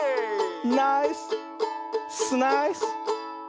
ナイススナイス！